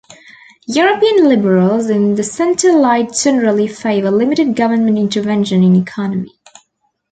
European liberals in the centre-right generally favor limited government intervention in economy.